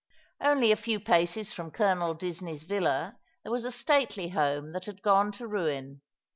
Only a few paces from Colonel Disney's villa there was a stately house that had gone to ruin.